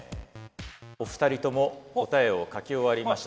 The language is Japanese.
お二人とも答えを書き終わりました。